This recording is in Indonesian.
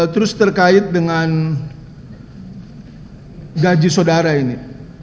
terus terkait dengan gaji saudara ini